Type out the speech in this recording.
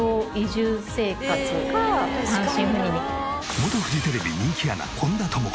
元フジテレビ人気アナ本田朋子